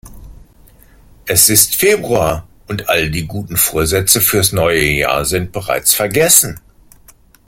Es ist Februar und all die guten Vorsätze fürs neue Jahr sind bereits vergessen.